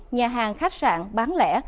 nhà hàng khách sạn bán lẻ